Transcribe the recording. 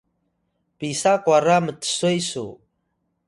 Wilang: pisa kwara mtswe su?